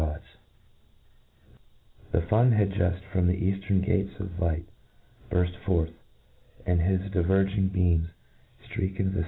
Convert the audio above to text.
gods* " The fun had juft from the eaftern gates of light burft forth, and his diverging beams ftres^kr icd the.